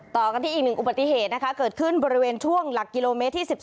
ต่อกันที่อีกหนึ่งอุบัติเหตุนะคะเกิดขึ้นบริเวณช่วงหลักกิโลเมตรที่๑๒